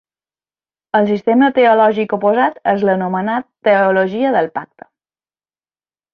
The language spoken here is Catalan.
El sistema teològic oposat és l'anomenat Teologia del pacte.